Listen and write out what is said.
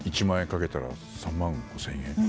１万円賭けたら３万５０００円。